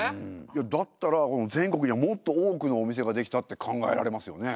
いやだったら全国にはもっと多くのお店が出来たって考えられますよね。